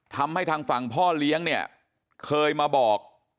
ทางฝั่งพ่อเลี้ยงเนี่ยเคยมาบอก